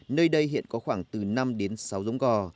nơi đây hiện có khoảng từ năm đến sáu giống gò